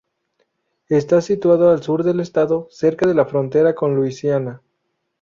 Está situada al sur del estado, cerca de la frontera con Luisiana.